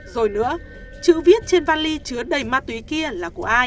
rồi nữa chữ viết trên van ly chứa đầy ma túy kia là của ai